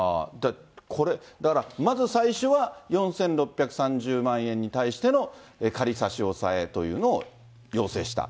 これ、だからまず最初は、４６３０万円に対しての仮差し押さえというのを要請した。